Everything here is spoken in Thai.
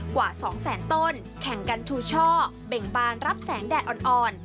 กว่า๒แสนต้นแข่งกันชูช่อเบ่งบานรับแสงแดดอ่อน